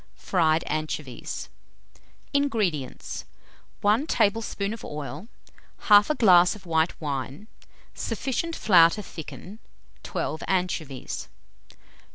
_] FRIED ANCHOVIES. 226. INGREDIENTS. 1 tablespoonful of oil, 1/2 a glass of white wine, sufficient flour to thicken; 12 anchovies.